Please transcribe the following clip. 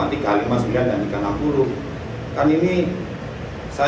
kan ini saya tidak percaya dengan hukum indonesia ini